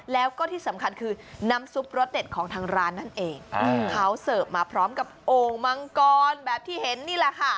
แล้วก็ที่สำคัญคือน้ำซุปรสเด็ดของทางร้านนั่นเองเขาเสิร์ฟมาพร้อมกับโอ่งมังกรแบบที่เห็นนี่แหละค่ะ